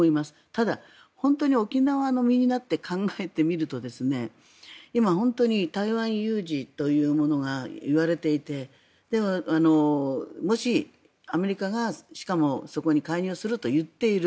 ただ、本当に沖縄の身になって考えてみると今、本当に台湾有事というものがいわれていてもし、アメリカがしかもそこに介入すると言っている。